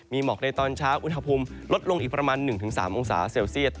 มีหมอกในตอนเช้าอุณหภูมิลดลงอีกประมาณ๑๓องศาเซลเซียต